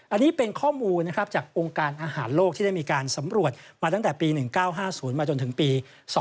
อันนี้เป็นข้อมูลนะครับจากองค์การอาหารโลกที่ได้มีการสำรวจมาตั้งแต่ปี๑๙๕๐มาจนถึงปี๒๕๖